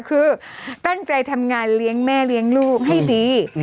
คือตั้งใจทำงานเลี้ยงแม่เลี้ยงลูกให้ดี